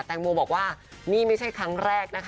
แตงโมบอกว่านี่ไม่ใช่ครั้งแรกนะคะ